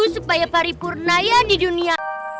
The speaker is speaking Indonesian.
supaya pari purna ya di dunia